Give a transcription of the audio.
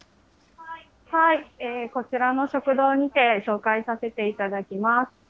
こちらの食堂にて、紹介させていただきます。